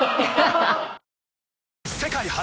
世界初！